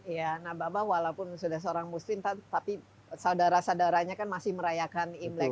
ya nah bapak walaupun sudah seorang muslim tapi saudara saudaranya kan masih merayakan imlek